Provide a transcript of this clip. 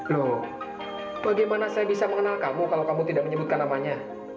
loh bagaimana saya bisa mengenal kamu kalau kamu tidak menyebutkan namanya